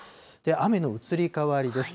雨の移り変わりです。